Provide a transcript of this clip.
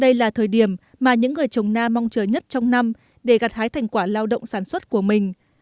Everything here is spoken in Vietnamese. đây là thời điểm mà những người trồng na mong chờ nhất trong năm để gặt hái thành quả lao động sản xuất của mình